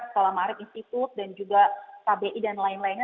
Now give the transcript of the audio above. salam arik institute dan juga kbi dan lain lainnya